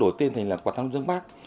đầu tiên là quà tháng năm dương bác